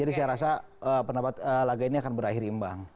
jadi saya rasa pendapat laga ini akan berakhir imbang